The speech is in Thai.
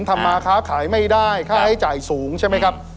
ทำมาค้าขายไม่ได้ค่าใช้จ่ายสูงใช่ไหมครับ